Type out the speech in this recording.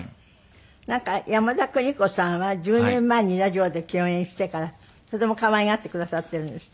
なんか山田邦子さんは１０年前にラジオで共演してからとても可愛がってくださっているんですって？